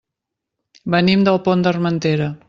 Venim del Pont d'Armentera.